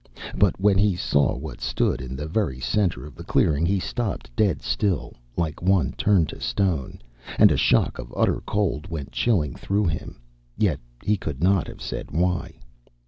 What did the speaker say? But when he saw what stood in the very center of the clearing he stopped dead still, like one turned to stone, and a shock of utter cold went chilling through him. Yet he could not have said why.